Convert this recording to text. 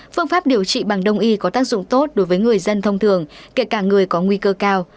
phương pháp điều trị bằng đông y có tác dụng tốt đối với người dân thông thường kể cả người có nguy cơ cao